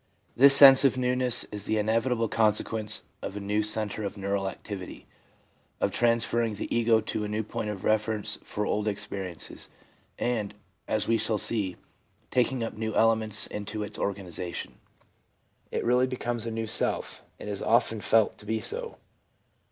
This sense of newness is the inevitable consequence of a new centre of neural activity ; of transferring the ego to a new point of reference for old experiences, and, as we shall see, taking up new elements into its organisation. It really becomes a new self, and is often felt to be so.